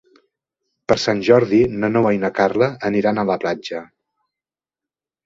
Per Sant Jordi na Noa i na Carla aniran a la platja.